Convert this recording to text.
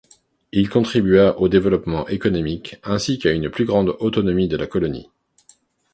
Il contribua au développement économique, ainsi qu'à une plus grande autonomie de la colonie.